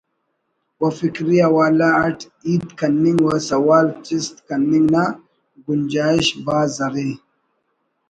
و فکری حوالہ اٹ ہیت کننگ و سوال چست کننگ نا گنجائش بھاز ارے